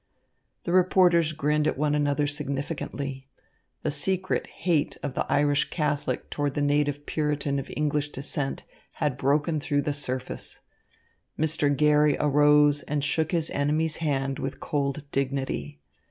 The reporters grinned at one another significantly. The secret hate of the Irish Catholic toward the native Puritan of English descent had broken through the surface. Mr. Garry arose and shook his enemy's hand with cold dignity.